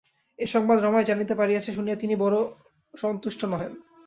এ সংবাদ রমাই জানিতে পারিয়াছে শুনিয়া তিনি বড়ো সন্তুষ্ট নহেন।